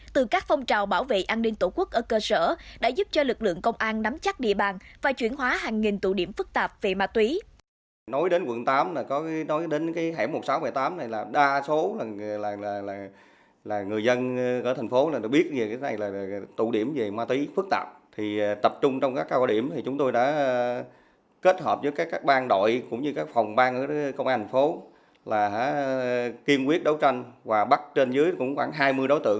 từ các phong trào bảo vệ an ninh tổ quốc ở cơ sở đã giúp cho lực lượng công an nắm chắc địa bàn và chuyển hóa hàng nghìn tụ điểm phức tạp về ma túy